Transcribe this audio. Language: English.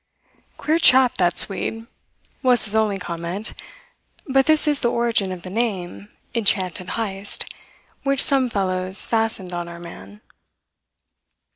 "Queer chap, that Swede," was his only comment; but this is the origin of the name "Enchanted Heyst" which some fellows fastened on our man.